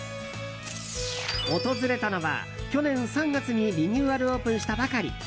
訪れたのは去年３月にリニューアルオープンしたばかり。